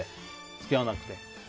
付き合わなくて？